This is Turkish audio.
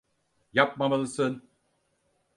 Yapmamalısın.